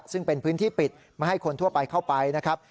ซึ่งเป็นพื้นที่ปิดไม่ให้คนทั่วไปเข้าไปนะครับ